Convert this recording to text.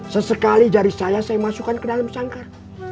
sesekali jari saya saya masukkan ke dalam sangkar